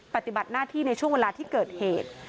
ปฏิบัติหน้าที่ในช่วงเวลาที่เกิดเหตุ